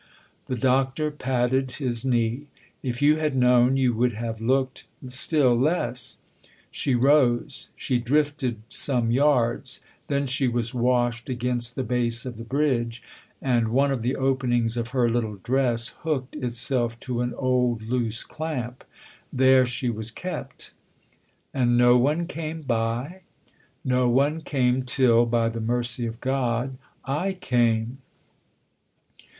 The Doctor patted his knee. " If you had known you would have looked still less. She rose ; she drifted some yards ; then she was washed against the base of the bridge, and one of the openings of her little dress hooked itself to an old loose clamp. There she w r as kept." " And no one came by ?" "No one came till, by the mercy of God, / came